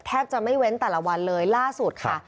แทบจะไม่เว้นแต่ละวันเลยล่าสุดค่ะ